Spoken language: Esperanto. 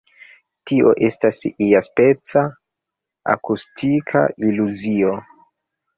Tio estas iaspeca „akustika iluzio“.